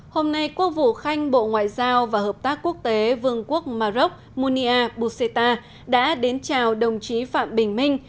hôm nay quốc vụ khanh bộ ngoại giao và hợp tác quốc tế vương quốc mà rốc munia buseta đã đến chào đồng chí phạm bình minh